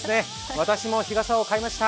私も日傘を買いました